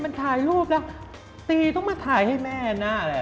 มันถ่ายรูปแล้วตีต้องมาถ่ายให้แม่นะ